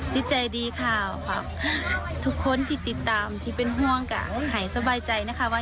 จิตใจดีค่ะฝากทุกคนที่ติดตามที่เป็นห่วงก็หายสบายใจนะคะว่า